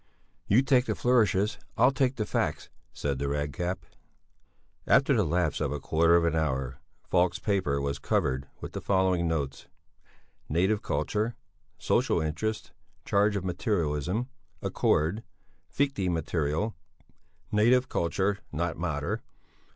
"You take the flourishes, I'll take the facts," said the Red Cap. After the lapse of a quarter of an hour Falk's paper was covered with the following notes. Native Culture. Social Interests. Charge of materialism. Accord. Fichte material, Native Culture not mater.